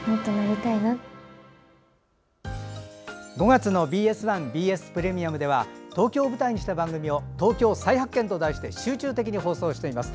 ５月のＢＳ１ＢＳプレミアムでは東京を舞台にした番組を「＃東京再発見」と題して集中的に放送しています。